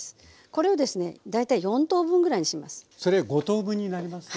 これをですね大体４等分ぐらいにします。